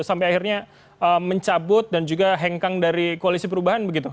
sampai akhirnya mencabut dan juga hengkang dari koalisi perubahan begitu